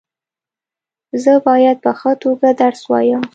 زه باید په ښه توګه درس وایم.